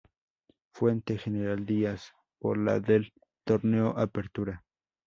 Fue ante General Díaz, por la del torneo Apertura.